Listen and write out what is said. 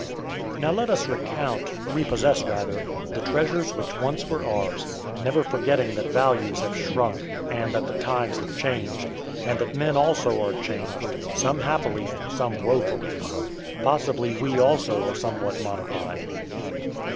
Now let us recount, repossess rather, the treasures which once were ours, not forgetting that values have shrunk, and that the times have changed, and that men also are changed; some happily, some woefully. Possibly we, also, are somewhat modified.